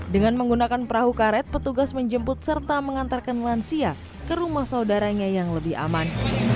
dengan menggunakan perahu karet petugas menjemput serta mengantarkan lansia ke rumah saudaranya yang lebih aman